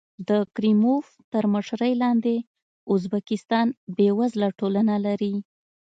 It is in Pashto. د کریموف تر مشرۍ لاندې ازبکستان بېوزله ټولنه لري.